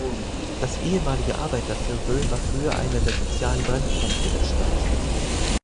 Das ehemalige Arbeiterviertel war früher einer der sozialen Brennpunkte der Stadt.